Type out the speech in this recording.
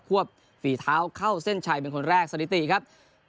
วบฝีเท้าเข้าเส้นชัยเป็นคนแรกสถิติครับ